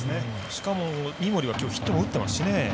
しかも、三森はきょうヒットも打ってますしね。